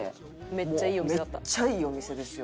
めっちゃいいお店ですよ。